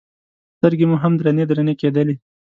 سترګې مو هم درنې درنې کېدلې.